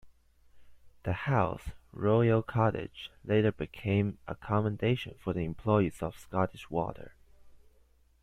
The house, "Royal Cottage", later became accommodation for the employees of Scottish Water.